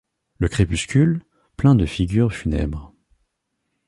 Le crépuscule, plein de figures funèbres